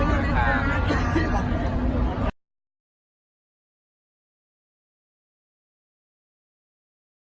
สวัสดีครับสวัสดีครับ